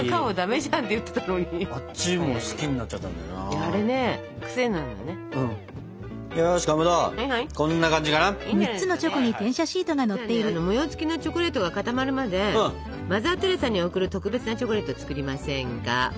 じゃあね模様つきのチョコレートが固まるまでマザー・テレサに贈る特別なチョコレート作りませんか？